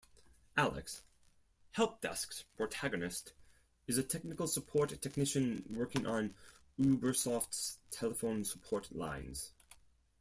Alex, "Help Desk"'s protagonist, is a technical-support technician working on Ubersoft's telephone support lines.